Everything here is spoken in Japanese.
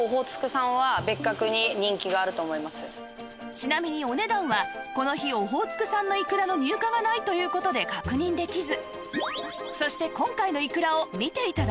ちなみにお値段はこの日オホーツク産のいくらの入荷がないという事で確認できず